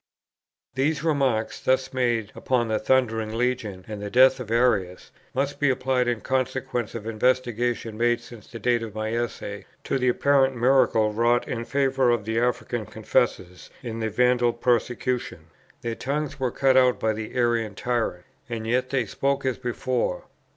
These remarks, thus made upon the Thundering Legion and the death of Arius, must be applied, in consequence of investigations made since the date of my Essay, to the apparent miracle wrought in favour of the African confessors in the Vandal persecution. Their tongues were cut out by the Arian tyrant, and yet they spoke as before.